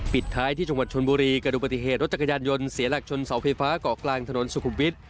ปิดท้ายที่จังหวัดชนบุรีกระดูกปฏิเหตุรถจักรยานยนต์เสียหลักชนเสาไฟฟ้าเกาะกลางถนนสุขุมวิทย์